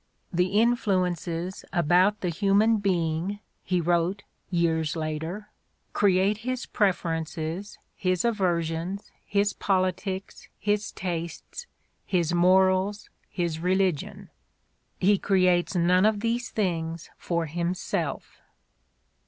"The influences about [the human be ing]," he wrote, years later, "create his preferences, his aversions, his politics, his tastes, his morals, his religion. He creates none of these things for himself.